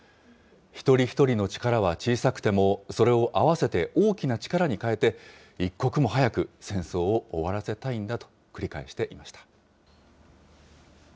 一人一人の力は小さくても、それを合わせて大きな力に変えて、一刻も早く戦争を終わらせたいんだと繰り返していました。